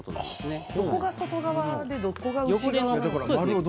どこが外側でどこが内側？